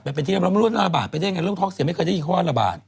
แบบเป็นที่เรามร่วมร่วมระบาดเป็นยังไงโรคท้องเสียไม่เคยได้อีกข้อระบาด